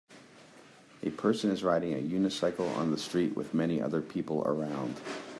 A person is riding a unicycle on the street with many other people around.